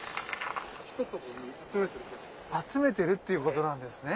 集めてるっていうことなんですね。